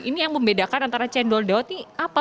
ini yang membedakan antara cendol daud ini apa